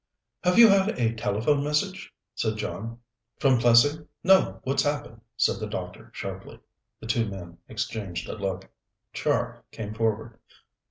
"Have you had a telephone message?" said John. "From Plessing? No. What's happened?" said the doctor sharply. The two men exchanged a look. Char came forward.